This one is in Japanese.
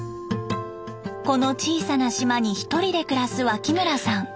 この小さな島に１人で暮らす脇村さん。